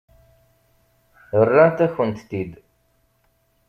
Rrant-akent-t-id.